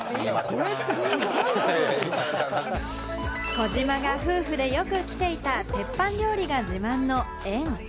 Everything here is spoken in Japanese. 児嶋が夫婦でよく来ていた鉄板料理が自慢の「えん」。